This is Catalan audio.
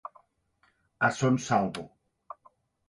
A son salvo.